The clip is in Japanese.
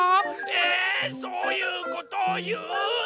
えそういうことをいう？